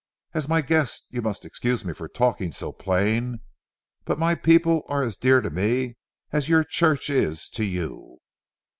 As my guest, you must excuse me for talking so plain, but my people are as dear to me as your church is to you."